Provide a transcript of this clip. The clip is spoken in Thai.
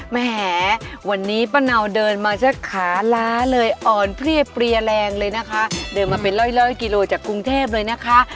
แหมวันนี้ป้าเนาเดินมาสักขาล้าเลยอ่อนเพลียเปรียแรงเลยนะคะเดินมาเป็นร้อยกิโลจากกรุงเทพเลยนะคะ